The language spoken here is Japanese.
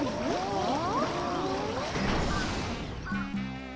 ああ。